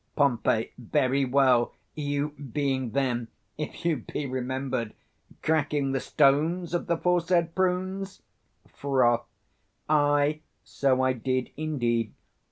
Pom. Very well; you being then, if you be remembered, cracking the stones of the foresaid prunes, Froth. Ay, so I did indeed.